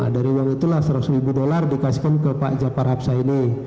dari uang itulah seratus ribu dolar dikasihkan ke pak japar hapsah ini